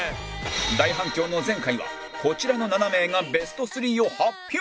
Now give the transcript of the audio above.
大反響の前回はこちらの７名がベスト３を発表